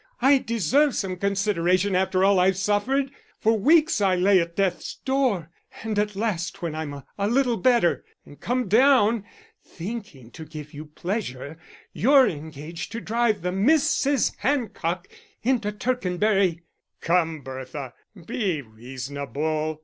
I deserve some consideration after all I've suffered. For weeks I lay at death's door, and at last when I'm a little better and come down thinking to give you pleasure, you're engaged to drive the Misses Hancock into Tercanbury." "Come, Bertha, be reasonable."